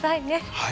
はい。